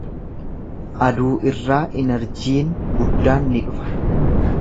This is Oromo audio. Aduu irraa inarjiin guddaan ni dhufa.